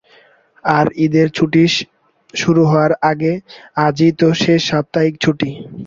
আর ঈদের ছুটি শুরু হওয়ার আগে আজই তো শেষ সাপ্তাহিক ছুটি।